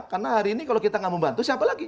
karena hari ini kalau kita tidak membantu siapa lagi